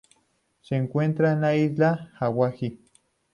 Se encuentra en la Isla Awaji.